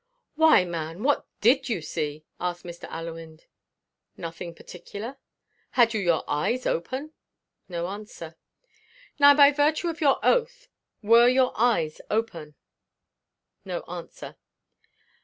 "Why man! what did you see?" asked Mr. Allewinde. "Nothing particular." "Had you your eyes open?" No answer. "Now by virtue of your oath were your eyes open?" No answer.